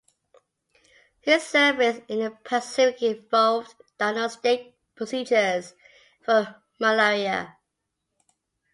His service in the Pacific involved diagnostic procedures for malaria.